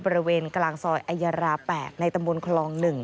บริเวณกลางซอยอายารา๘ในตำบลคลอง๑